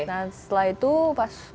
nah setelah itu pas